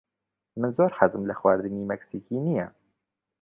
من زۆر حەزم لە خواردنی مەکسیکی نییە.